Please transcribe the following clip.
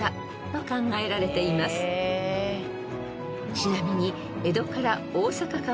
［ちなみに］